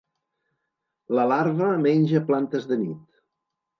La larva menja plantes de nit.